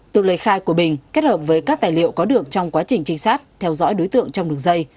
từ lời khai của bình kết hợp với các tài liệu có được trong quá trình trinh sát theo dõi đối tượng trong đường dây